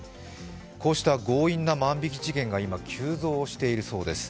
こうした強引な万引き事件が今、急増しているそうです。